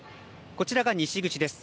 こちらが西口です。